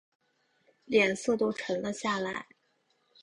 脸色都沉了下来